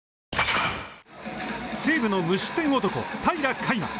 西武の無失点男平良海馬。